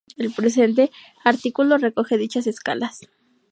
El presente artículo recoge dichas escalas.